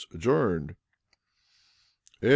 adjourned. S.